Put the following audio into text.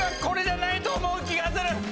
これじゃないと思う気がする！